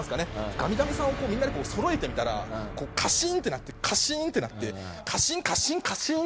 ガミガミさんをこうみんなでそろえてみたらこうカシーン！ってなってカシーン！ってなってカシーン！